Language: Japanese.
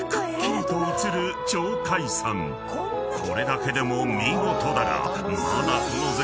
［これだけでも見事だが］